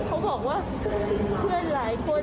เขาบอกว่าเพื่อนหลายคน